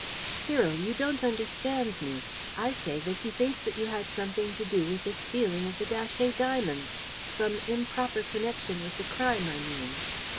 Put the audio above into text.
"Cyril! You don't understand me. I say that he thinks that you had something to do with the stealing of the Datchet diamonds some improper connection with the crime, I mean."